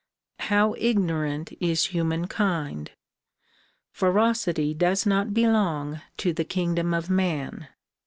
How ignorant is humankind! Ferocity does not belong to the kingdom of man.